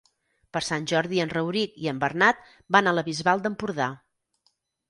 Per Sant Jordi en Rauric i en Bernat van a la Bisbal d'Empordà.